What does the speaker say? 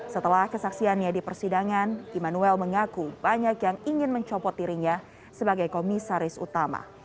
setelah kesaksiannya di persidangan immanuel mengaku banyak yang ingin mencopot dirinya sebagai komisaris utama